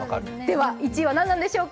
１位は何なんでしょうか。